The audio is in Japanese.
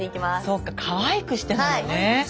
そうかかわいくしてなのね。